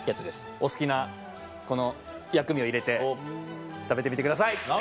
お好きなこの薬味を入れて食べてみてください。